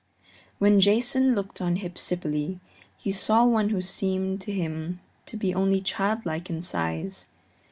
When Jason looked on Hypsipyle he saw one who seemed to him to be only childlike in size.